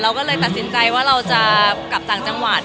ก็เลยตัดสินใจว่าเราจะกลับต่างจังหวัด